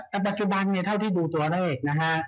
แต่ปัจจุบันเนี่ยเท่าที่ดูตัวเลขนะฮะ